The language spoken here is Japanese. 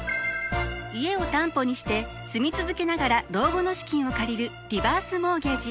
家を担保にして住み続けながら老後の資金を借りるリバースモーゲージ。